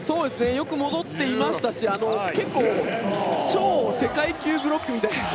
よく戻っていましたし超世界級ブロックみたいな。